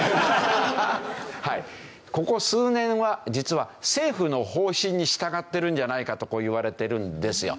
ここ数年は実は政府の方針に従ってるんじゃないかとこういわれてるんですよ。